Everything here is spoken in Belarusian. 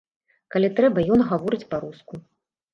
Калі трэба, ён гаворыць па-руску.